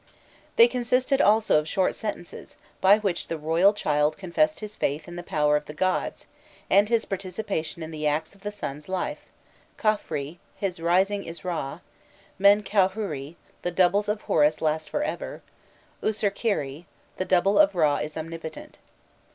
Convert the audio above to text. They consisted also of short sentences, by which the royal child confessed his faith in the power of the gods, and his participation in the acts of the Sun's life "Khâfrî," his rising is Râ; "Men kaûhorû," the doubles of Horus last for ever; "Usirkerî," the double of Râ is omnipotent.